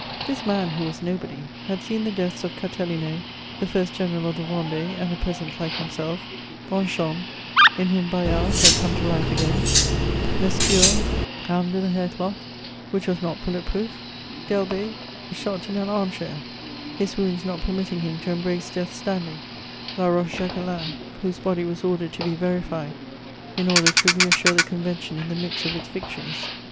This man, who was "nobody," had seen the deaths of Cathelineau, the first general of the Vendée and a peasant like himself; Bonchamps, in whom Bayard had come to life again; Lescure, armed with a hair cloth which was not bullet proof; d'Elbée, shot in an armchair, his wounds not permitting him to embrace death standing; La Rochejacquelein, whose body was ordered to be "verified" in order to reassure the Convention in the midst of its victories.